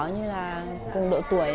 như là cùng độ tuổi